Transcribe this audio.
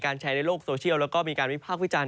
การใช้ในโลกโซเชียลแล้วก็มีการวิภาพวิจารณ์